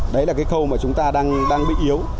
đấy là cái khâu mà chúng ta đang bị yếu